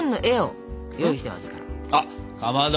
あっかまど！